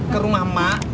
ke rumah mak